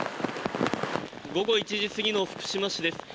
午後１時過ぎの福島市です。